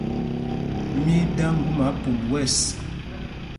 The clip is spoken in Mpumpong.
Mí í dā ŋgúma pum wɛ̂ɛs.